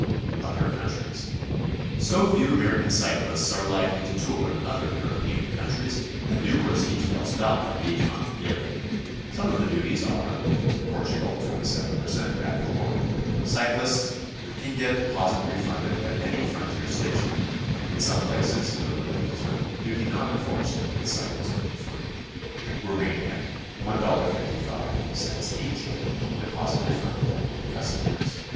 OTHER COUNTRIES. So few American cyclists are likely to tour in other European countries that numerous details about them need not be given. Some of the duties are: Portugal, 27 pei* cent, ad valorem; cyclist can get de posit refunded at any frontier station; in some places, notably Lisbon, duty not enforced and cycles enter free. Roumania, $1.55 each, deposit refunded at any custom house.